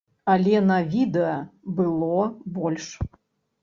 Але на відэа было больш.